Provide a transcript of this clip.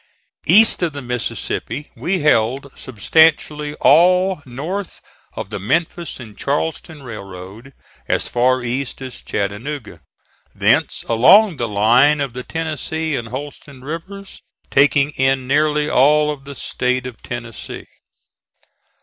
East of the Mississippi we held substantially all north of the Memphis and Charleston Railroad as far east as Chattanooga, thence along the line of the Tennessee and Holston rivers, taking in nearly all of the State of Tennessee.